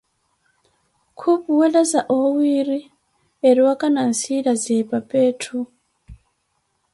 Khupuwelaza oowiiri eriwaka naasilesiye papa etthu.